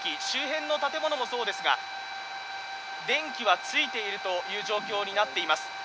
周辺の建物もそうですが、電気はついているという状況になっています。